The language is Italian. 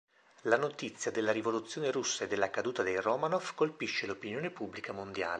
La notizia della rivoluzione russa e della caduta dei Romanov colpisce l'opinione pubblica mondiale.